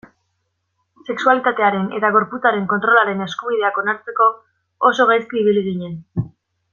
Sexualitatearen eta gorputzaren kontrolaren eskubideak onartzeko oso gaizki ibili ginen.